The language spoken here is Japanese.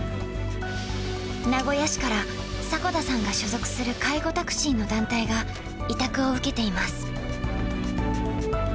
名古屋市から、迫田さんが所属する介護タクシーの団体が委託を受けています。